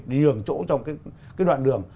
để nhường chỗ trong cái đoạn đường